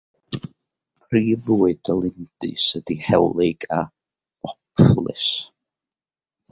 Prif fwyd y lindys ydy helyg a phoplys.